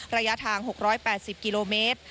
ระยะทาง๖๘๐กิโลเมตร